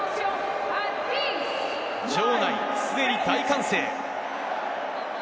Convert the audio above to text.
場内すでに大歓声。